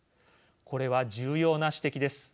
これは重要な指摘です。